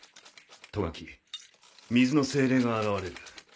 ト書き水の精霊が現れる。